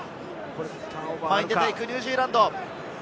前に出ていくニュージーランド。